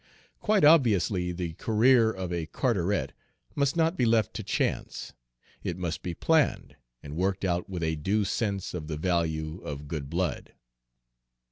Quite obviously the career of a Carteret must not be left to chance, it must be planned and worked out with a due sense of the value of good blood.